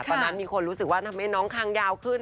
ตอนนั้นมีคนรู้สึกว่าทำให้น้องคางยาวขึ้น